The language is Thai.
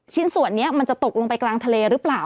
ส่วนนี้มันจะตกลงไปกลางทะเลหรือเปล่า